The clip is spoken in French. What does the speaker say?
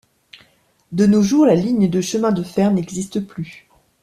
De nos jours, la ligne de chemins de fer n'existe plus.